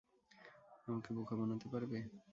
আমাকে বোকা বানাতে পারবে?